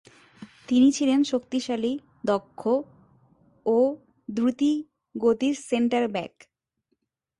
তিনি ছিলেন শক্তিশালী, দক্ষ ও দ্রুতিগতির সেন্টার-ব্যাক।